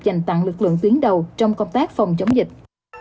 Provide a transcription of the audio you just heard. dành tặng lực lượng tuyến đầu trong công tác phòng chống dịch